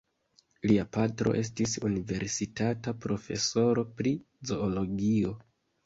Lia patro estis universitata profesoro pri Zoologio.